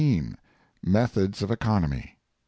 METHODS OF ECONOMY.